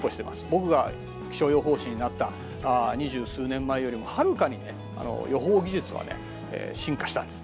僕が気象予報士になった二十数年前よりもはるかにね予報技術は進化したんです。